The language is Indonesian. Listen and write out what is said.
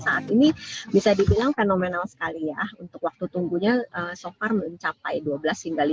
saat ini bisa dibilang fenomenal sekali ya untuk waktu tunggunya so far mencapai dua belas hingga lima belas